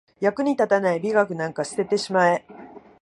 役に立たない美学なんか捨ててしまえ